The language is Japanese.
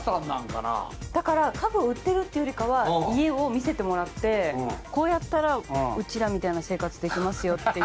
だから家具を売ってるってよりかは家を見せてもらってこうやったらうちらみたいな生活できますよっていう。